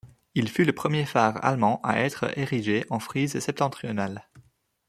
Il fut le premier phare allemand à être érigé en Frise septentrionale.